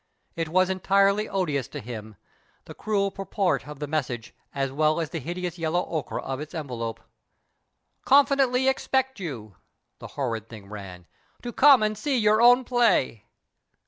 It was entirely odious to him, the crude purport of the message, as well as the hideous yellow ochre of its envelope. " Confidently expect you," the horrid thing ran, " to come and see your own play."